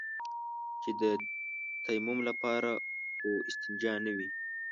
چې د تيمم لپاره خو استنجا نه وي.